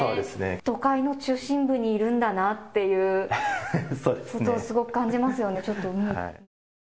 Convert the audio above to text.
都会の中心部にいるんだなっていうことをすごく感じますよね。